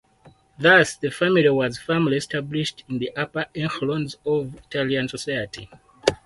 Thus the family was firmly established in the upper echelons of Italian Society.